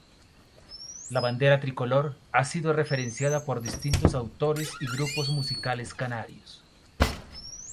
La bandera tricolor ha sido referenciada por distintos autores y grupos musicales canarios.